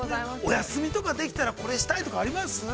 ◆お休みとかできたら、これしたいとかあります？